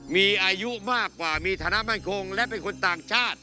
มีอายุมากกว่ามีฐานะมั่นคงและเป็นคนต่างชาติ